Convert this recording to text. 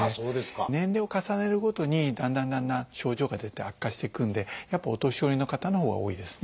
年齢を重ねるごとにだんだんだんだん症状が出て悪化していくんでやっぱりお年寄りの方のほうが多いですね。